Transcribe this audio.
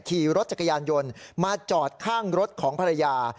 ขี่รถจักรยานยนต์มาจอดข้างรถของภรรยา